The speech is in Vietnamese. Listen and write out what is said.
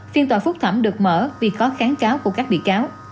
phiên tòa phúc thẩm được mở vì có kháng cáo của các bị cáo